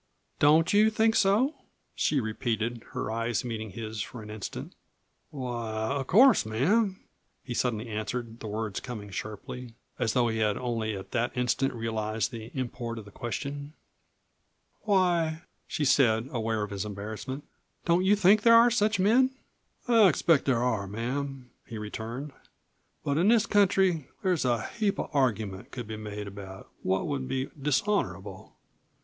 "Don't you think so?" she repeated, her eyes meeting his for an instant. "Why, of course, ma'am," he suddenly answered, the words coming sharply, as though he had only at that instant realized the import of the question. "Why," said she, aware of his embarrassment, "don't you think there are such men?" "I expect there are, ma'am," he returned; "but in this country there's a heap of argument could be made about what would be dishonorable.